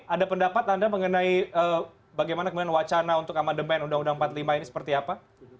ada pendapat anda mengenai bagaimana kemudian wacana untuk amandemen undang undang empat puluh lima ini seperti apa